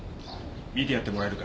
診てやってもらえるか？